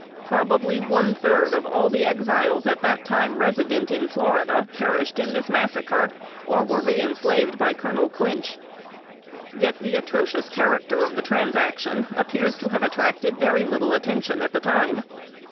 Probably one third of all the Exiles at that time resident in Florida, perished in this massacre, or were reënslaved by Colonel Clinch; yet the atrocious character of the transaction appears to have attracted very little attention at the time.